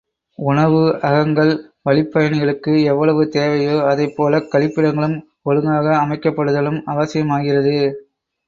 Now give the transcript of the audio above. உணவு அகங்கள் வழிப் பயணிகளுக்கு எவ்வளவு தேவையோ அதைப்போலக் கழிப்பிடங்களும் ஒழுங்காக அமைக்கப்படுதலும் அவசியம் ஆகிறது.